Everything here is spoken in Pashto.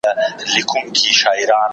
که تجربه سمه وای، زیان نه رسېدی.